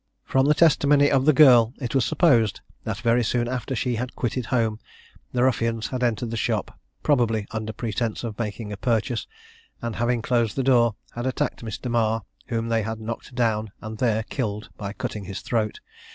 From the testimony of the girl it was supposed, that very soon after she had quitted home, the ruffians had entered the shop, probably under pretence of making a purchase, and, having closed the door, had attacked Mr. Marr, whom they had knocked down and there killed by cutting his throat.